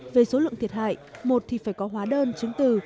về số lượng thiệt hại một thì phải có hóa đơn chứng từ